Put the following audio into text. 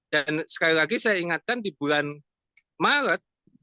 dan sekali lagi saya ingatkan di bulan maret